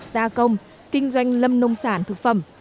gia công kinh doanh lâm nông sản thực phẩm